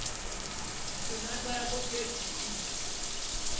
Kizito n'atwalako keeki bbiri.